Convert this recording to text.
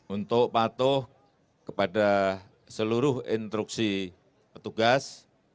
untuk patuh kepada seluruh instruksi petugas